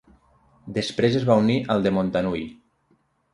Després es va unir al de Montanui.